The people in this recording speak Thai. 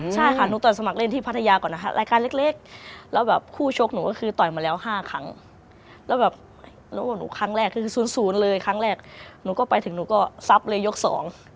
ใช่ค่ะหนูต่อยสมัครเล่นที่พัทยาก่อนนะคะรายการเล็กแล้วแบบคู่ชกหนูก็คือต่อยมาแล้วห้าครั้งแล้วแบบระหว่างหนูครั้งแรกคือ๐๐เลยครั้งแรกหนูก็ไปถึงหนูก็ซับเลยยกสอง